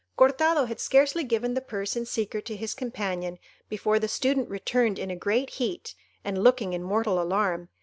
Cortado had scarcely given the purse in secret to his companion, before the Student returned in a great heat, and looking in mortal alarm.